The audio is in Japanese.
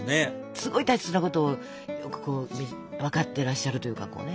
すごい大切なことを分かってらっしゃるというか。